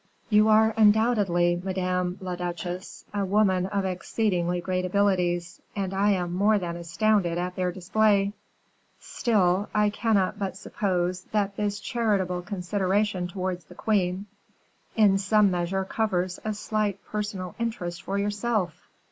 "You are undoubtedly, madame la duchesse, a woman of exceedingly great abilities, and I am more than astounded at their display; still I cannot but suppose that this charitable consideration towards the queen in some measure covers a slight personal interest for yourself."